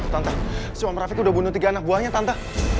tante si om rafiq sudah bunuh tiga anak buahnya tante